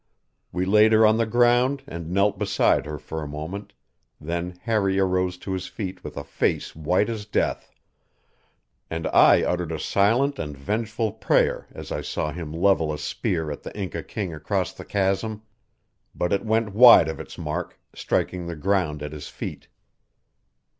We laid her on the ground and knelt beside her for a moment, then Harry arose to his feet with a face white as death; and I uttered a silent and vengeful prayer as I saw him level a spear at the Inca king across the chasm. But it went wide of its mark, striking the ground at his feet.